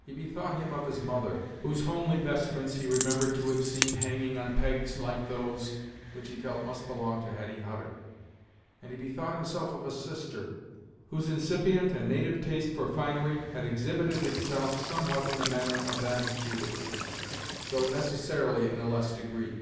He bethought him of his mother, whose homely vestments he remembered to have seen hanging on pegs like those which he felt must belong to Hetty Hutter; and he bethought himself of a sister, whose incipient and native taste for finery had exhibited itself somewhat in the manner of that of Judith, though necessarily in a less degree.